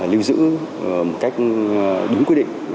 lưu giữ một cách đúng quy định